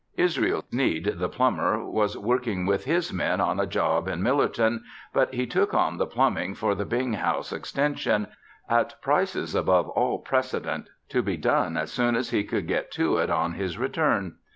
Israel Sneed, the plumber, was working with his men on a job at Millerton, but he took on the plumbing for the Bing house extension, at prices above all precedent, to be done as soon as he could get to it on his return.